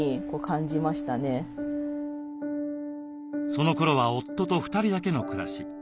そのころは夫と２人だけの暮らし。